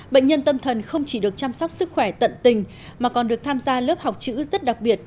bệnh nhân tâm thần không chỉ được chăm sóc sức khỏe tận tình mà còn được tham gia lớp học chữ rất đặc biệt